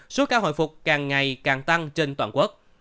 số ca hồi phục càng ngày càng tăng trên toàn quốc